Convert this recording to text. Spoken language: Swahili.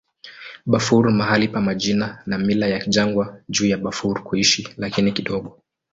Bafur mahali pa majina na mila ya jangwa juu ya Bafur kuishi, lakini kidogo.